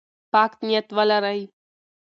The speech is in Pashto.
پاک نیت ولرئ.